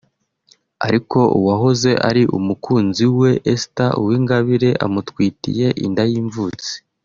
ariko uwahoze ari umukunzi we Esther Uwingabire amutwitiye inda y’imvutsi